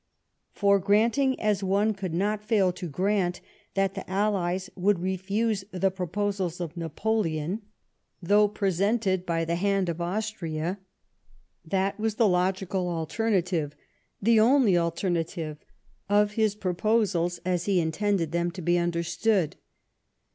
For granting, as one could not fail to grant, that the allies would refuse the pro posals of Napoleon, though presented by the hand of Austria, that was the logical alternative, the only alter native, of his proposals, as he intended them to be understood.